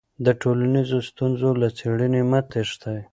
د ټولنیزو ستونزو له څېړنې مه تېښته.